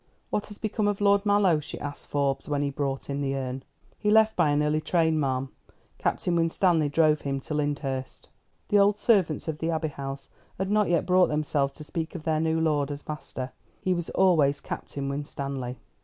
"What has become of Lord Mallow?" she asked Forbes, when he brought in the urn. "He left by an early train, ma'am. Captain Winstanley drove him to Lyndhurst." The old servants of the Abbey House had not yet brought themselves to speak of their new lord as "master." He was always "Captain Winstanley."